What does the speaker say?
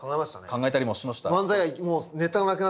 考えたりもしました。